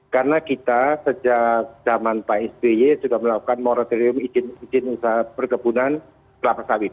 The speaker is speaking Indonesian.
karena kita sejak zaman pak sby juga melakukan moratorium izin usaha perkebunan kelapa sawit